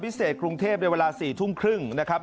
ความพิเศษกรุงเทพฯในเวลา๔ทุ่มครึ่งนะครับ